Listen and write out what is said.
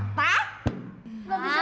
tidak bisa dilihat oleh mata